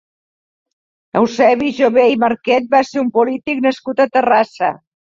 Eusebi Jover i Marquet va ser un polític nascut a Terrassa.